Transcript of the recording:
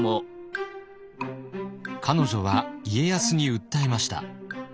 彼女は家康に訴えました。